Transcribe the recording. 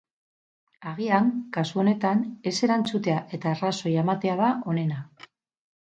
Agian, kasu honetan, ez erantzutea eta arrazoia ematea da onena.